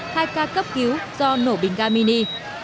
hai ca cấp cứu do nổ bình ga mini